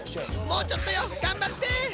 もうちょっとよがんばって。